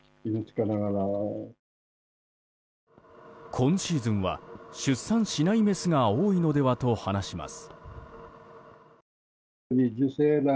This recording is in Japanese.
今シーズンは出産しないメスが多いのではと話します。